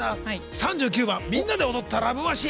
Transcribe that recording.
３９番、みんなで踊った「ＬＯＶＥマシーン」。